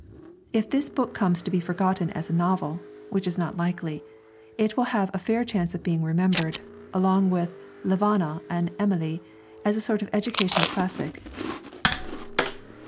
If this book comes to be forgotten as a novel (which is not likely), it will have a fair chance of being remembered, along with 'Levana' and 'Emile,' as a sort of educational classic.